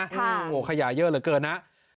โอ้โหขยะเยอะเหลือเกินนะ